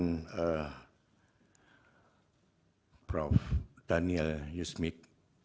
dari prof daniel yusmit